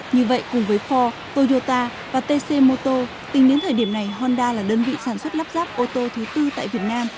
như vậy cùng với kho toyota và tcmoto tính đến thời điểm này honda là đơn vị sản xuất lắp ráp ô tô thứ tư tại việt nam